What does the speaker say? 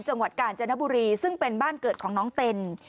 จังหวัดกาญจนบุรีซึ่งเป็นบ้านเกิดของน้องเต็น